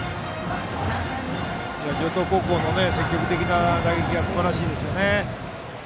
城東高校の積極的な打撃はすばらしいですね。